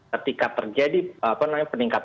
ketika terjadi peningkatan mobilitas